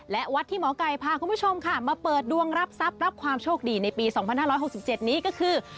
และวัดที่หมอไก่พาคุณผู้ชมค่ะมาเปิดดวงรับทรัพย์รับความโชคดีในปี๒๕๖๗นี้ก็คือ